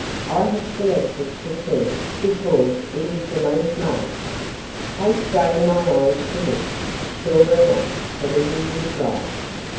I have selected the 'T' because it is the most marked." I strained my eyes to look. Sure enough, Kennedy was right.